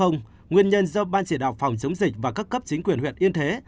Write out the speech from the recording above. nguyên nhân do ban chỉ đạo phòng chống dịch và các cấp chính quyền huyện yên thế